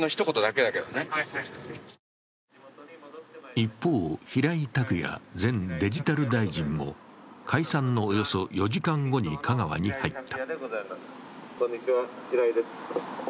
一方、平井卓也前デジタル大臣も解散のおよそ４時間後に香川に入った。